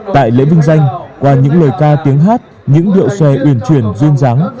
tại lễ vinh danh qua những lời ca tiếng hát những điệu xòe uyển chuyển duyên dáng